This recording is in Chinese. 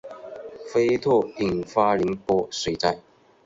菲特引发宁波水灾。